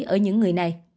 ở những người này